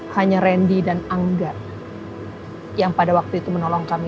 hanya randy dan angga yang pada waktu itu menolong kami